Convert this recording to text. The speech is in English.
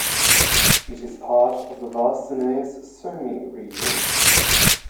It is part of the Varsinais-Suomi region.